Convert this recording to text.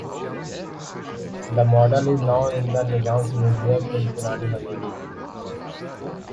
The model is now in the Nizam's Museum in Purani Haveli.